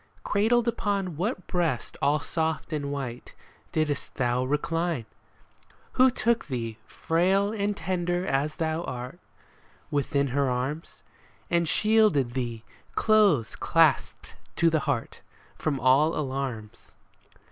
Cradled upon what breast all soft and white Didst thou recline ? Who took thee, frail and tender as thou art, Within her arms ? And shielded thee, close clasped to her heart. From all alarms